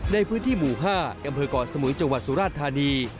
ในพื้นที่หมู่๕อำเภอก่อสมุยจังหวัดสุราชธานี